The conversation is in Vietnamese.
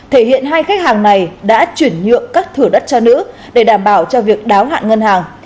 thể hiện hai khách hàng này đã chuyển nhượng các thửa đất cho nữ để đảm bảo cho việc đáo hạn ngân hàng